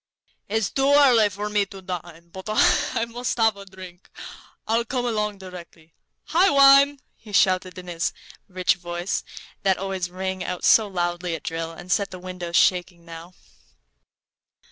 "It's too early for me to dine, but I must have a drink. I'll come along directly. Hi, wine!" he shouted, in his rich voice, that always rang out so loudly at drill, and set the windows shaking now.